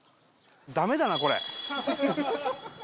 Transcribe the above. ダメだなこれ。